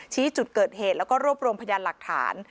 ชี้จุดเกิดเหตุแล้วก็รวบรวมพยานหลักฐาน